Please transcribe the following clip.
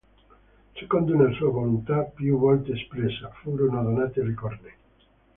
Secondo una sua volontà più volte espressa, furono donate le cornee.